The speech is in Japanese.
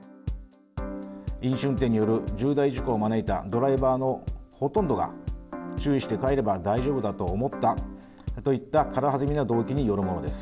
飲酒運転による重大事故を招いたドライバーのほとんどが、注意して帰れば大丈夫だと思ったといった軽はずみな動機によるものです。